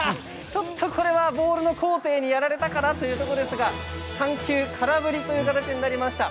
ちょっとこれはボールの高低にやられたかなというところですが３球、空振りという形になりました。